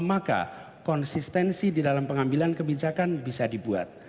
maka konsistensi di dalam pengambilan kebijakan bisa dibuat